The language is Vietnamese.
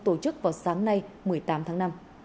tổ chức vào sáng nay một mươi tám tháng năm